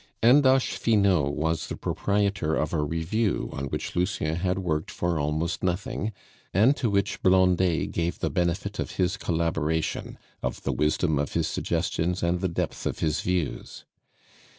Andoche Finot was the proprietor of a review on which Lucien had worked for almost nothing, and to which Blondet gave the benefit of his collaboration, of the wisdom of his suggestions and the depth of his views.